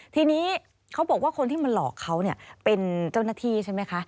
ทีนี้เขาบอกว่าคนที่มาหลอกเขาเนี่ยเป็นเจ้าหน้าที่ใช่ไหมคะ